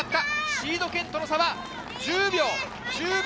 シード権との差は１０秒。